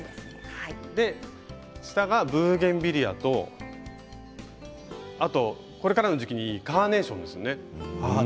下がブーゲンビリアとこれからの時期にいいカーネーション。